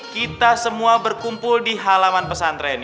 kita semua berkumpul di halaman pesantren